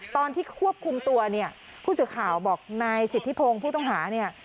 ตอนที่ควบคุมตัวเนี่ยผู้สื่อข่าวบอกนายสิทธิพงศ์ผู้ต้องหาเนี่ย